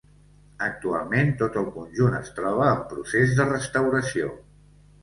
Actualment tot el conjunt es troba en procés de restauració.